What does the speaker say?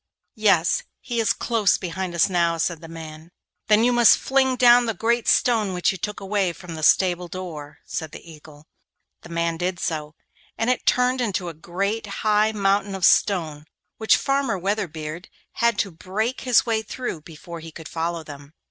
'Yes; he is close behind us now,' said the man. 'Then you must fling down the great stone which you took away from the stable door,' said the Eagle. The man did so, and it turned into a great high mountain of stone, which Farmer Weatherbeard had to break his way through before he could follow them.